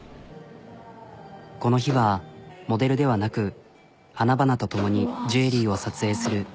この日はモデルではなく花々と共にジュエリーを撮影する。